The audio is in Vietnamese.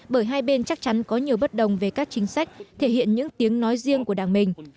bởi hai bên chắc chắn có nhiều bất đồng về các chính sách thể hiện những tiếng nói riêng của đảng mình